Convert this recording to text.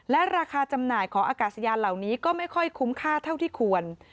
และราคาจำหน่ายของอากาศยานเหล่านี้ก็ไม่ค่อยคุ้มค่าเท่าที่ควร